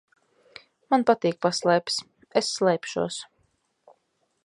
Man patīk paslēpes. Es slēpšos.